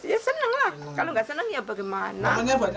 ya senang lah kalau nggak senang ya bagaimana